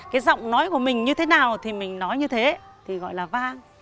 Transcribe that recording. cái giọng nói của mình như thế nào thì mình nói như thế thì gọi là vang